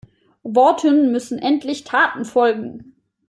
Worten müssen endlich Taten folgen.